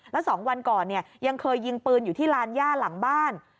แล้วสองวันก่อนยังเคยยิงปืนอยู่ที่ลานญาติหลังบ้าน